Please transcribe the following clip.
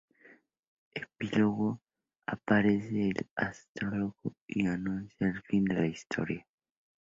Epílogo: aparece el Astrólogo y anuncia el fin de la historia.